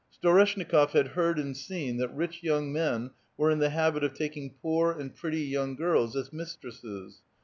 Storeshnikof had heard and seen that rich young men were in the habit of tak ing poor and pretty young girls as mistresses.